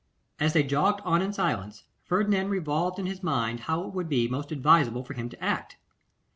As they jogged on in silence, Ferdinand revolved in his mind how it would be most advisable for him to act.